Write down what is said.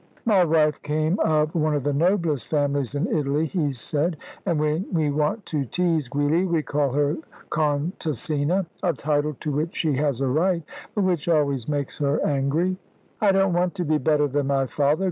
"My wife came of one of the noblest families in Italy," he said, "and when we want to tease Giulia, we call her Contessina, a title to which she has a right, but which always makes her angry." "I don't want to be better than my father!"